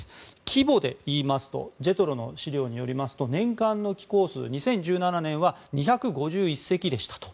規模で言いますとＪＥＴＲＯの資料によりますと年間の寄港数２０１７年は２５１隻でしたと。